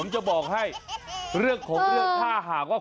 ผมจะบอกให้เรื่องของเรื่องถ้าหากว่า